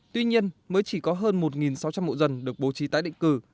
tuy nhiên mới chỉ có hơn một sáu trăm linh mộ dân được bố trí tái định cư